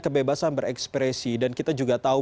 kebebasan berekspresi dan kita juga tahu